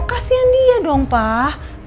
kasian dia dong pak